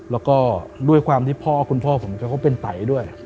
แล้วก็ด้วยความที่พ่อคุณพ่อผมแกก็เป็นไตด้วย